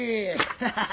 ハハハ！